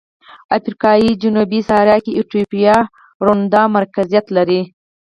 افریقا جنوبي صحرا کې ایتوپیا او روندا مرکزیت لري.